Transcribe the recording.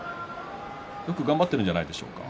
よく頑張っているんじゃないでしょうか。